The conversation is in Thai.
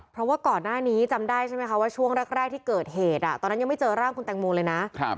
เพราะว่าก่อนหน้านี้จำได้ใช่ไหมคะว่าช่วงแรกที่เกิดเหตุตอนนั้นยังไม่เจอร่างคุณแตงโมเลยนะ